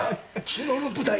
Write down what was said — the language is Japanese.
昨日の舞台！